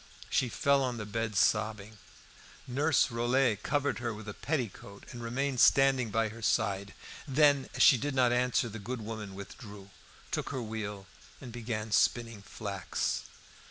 She fell on the bed sobbing. Nurse Rollet covered her with a petticoat and remained standing by her side. Then, as she did not answer, the good woman withdrew, took her wheel and began spinning flax.